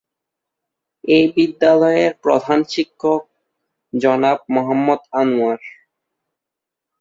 এ বিদ্যালয়ের প্রধান শিক্ষক জনাব মোহাম্মদ আনোয়ার।